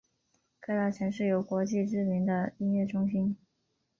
各大城市有国际知名的音乐中心。